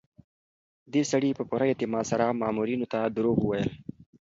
دې سړي په پوره اعتماد سره مامورینو ته دروغ وویل.